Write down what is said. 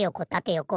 よこ。